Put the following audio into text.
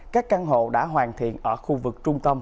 các căn hộ đã hoàn thiện ở khu vực trung tâm